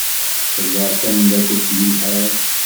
Tella d tameddakelt yelhan.